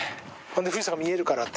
富士山が見えるからって。